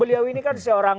beliau ini kan seorang